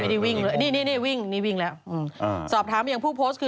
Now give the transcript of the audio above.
ไม่ได้วิ่งเลยนี่วิ่งนี่วิ่งแล้วสอบถามอย่างผู้โพสต์คือ